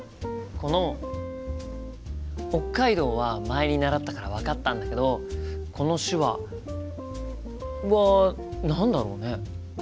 この「北海道」は前に習ったから分かったんだけどこの手話は何だろうね？